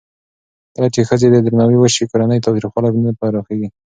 کله چې ښځو ته درناوی وشي، کورنی تاوتریخوالی نه پراخېږي.